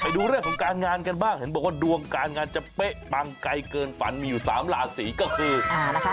ดูเรื่องของการงานกันบ้างเห็นบอกว่าดวงการงานจะเป๊ะปังไกลเกินฝันมีอยู่๓ราศีก็คือนะคะ